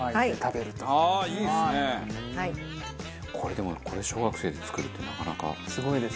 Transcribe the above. でもこれ小学生で作るってなかなかすごい。